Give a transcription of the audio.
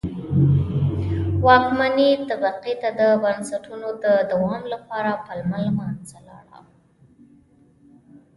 واکمنې طبقې ته د بنسټونو د دوام لپاره پلمه له منځه لاړه.